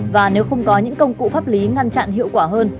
và nếu không có những công cụ pháp lý ngăn chặn hiệu quả hơn